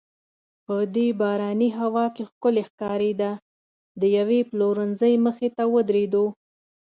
په دې باراني هوا کې ښکلې ښکارېده، د یوې پلورنځۍ مخې ته ودریدو.